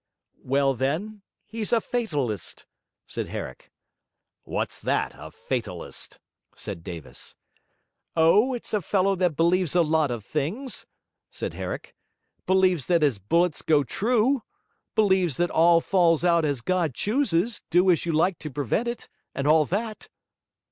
'Well, then, he's a fatalist,' said Herrick. 'What's that, a fatalist?' said Davis. 'Oh, it's a fellow that believes a lot of things,' said Herrick, 'believes that his bullets go true; believes that all falls out as God chooses, do as you like to prevent it; and all that.'